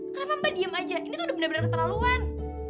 kenapa mbak diem aja ini tuh udah bener bener keterlaluan